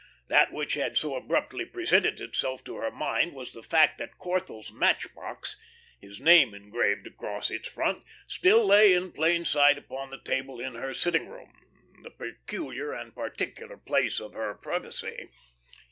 That which had so abruptly presented itself to her mind was the fact that Corthell's match box his name engraved across its front still lay in plain sight upon the table in her sitting room the peculiar and particular place of her privacy.